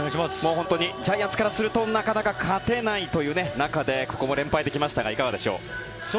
本当にジャイアンツからするとなかなか勝てないという中でここも連敗できましたがいかがでしょう。